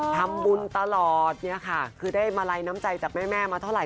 ทำบุญตลอดเนี่ยค่ะคือได้มาลัยน้ำใจจากแม่มาเท่าไห